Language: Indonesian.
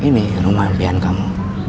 nih rumah impian kamu